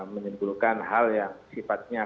menimbulkan hal yang sifatnya